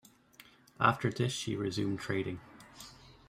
After this she resumed trading.